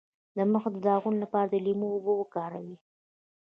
د مخ د داغونو لپاره د لیمو اوبه وکاروئ